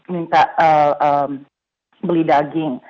minta beli daging